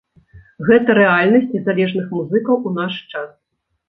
Гэта рэальнасць незалежных музыкаў у наш час.